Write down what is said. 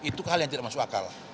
itu hal yang tidak masuk akal